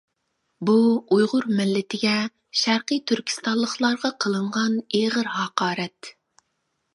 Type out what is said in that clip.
بۇ ئۇيغۇر مىللىتىگە، شەرقى تۈركىستانلىقلارغا قىلىنغان ئېغىر ھاقارەت.